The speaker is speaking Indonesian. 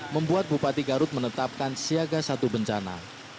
membuat bupati garut menetapkan siaga satu bencana